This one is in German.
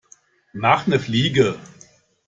Mach 'ne Fliege!